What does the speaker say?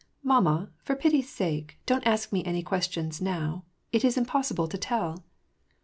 ''Mamma, for pity's sake, don't ask me any questions now. It is impossible to tell."